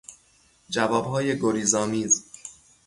جوابهای گریز آمیز